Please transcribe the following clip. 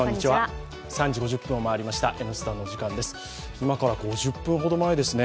今から５０分ほど前ですね